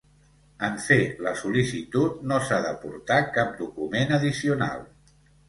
En fer la sol·licitud no s'ha d'aportar cap document addicional.